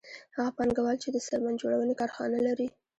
هغه پانګوال چې د څرمن جوړونې کارخانه لري